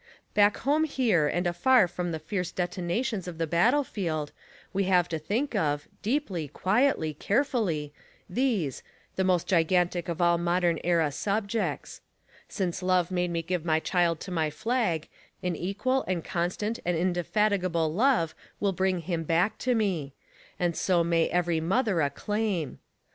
Back home here and afar from the fierce detonations of the battlefield we have to think of, deeply, quietly, carefully, these, the most gigantic of all modern era subjects: Since love made me give my child to my flag an equal and constant and indefatigable love will bring him back to me; and so may every mother acclaim.